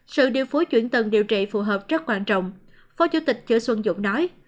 sự điều phối chuyển tầng điều trị phù hợp rất quan trọng phó chủ tịch chữ xuân dũng nói